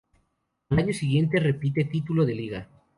Al año siguiente repite título de Liga.